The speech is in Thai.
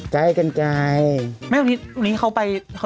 ใกล้กันไกลกันไกล